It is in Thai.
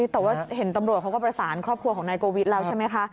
แต่ว่าเห็นตำรวจเขาก็ประสานครอบครัวของนายโกวิทย์แล้วใช่ไหมคะ